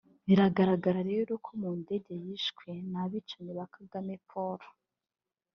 Bigaragara rero ko Mundere yishwe n’abicanyi ba Kagame Paul